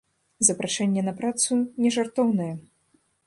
Запрашэнне на працу нежартоўнае.